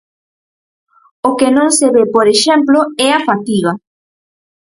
O que non se ve por exemplo é a fatiga.